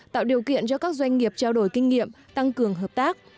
tạo điều kiện cho các doanh nghiệp trao đổi kinh nghiệm tăng cường hợp tác